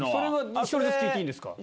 １人ずつ聞いていいんですか？